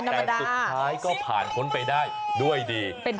แต่สุดท้ายก็ผ่านพ้นไปได้ด้วยดี